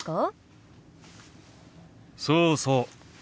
そうそう。